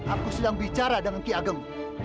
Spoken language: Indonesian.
aku sedang bicara dengan ki ageng